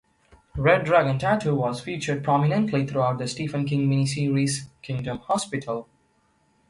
"Red Dragon Tattoo" was featured prominently throughout the Stephen King mini-series "Kingdom Hospital".